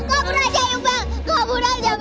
gabur aja yuk bang gabur aja bang